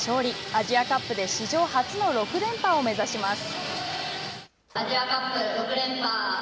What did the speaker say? アジアカップで史上初の６連覇を目指します。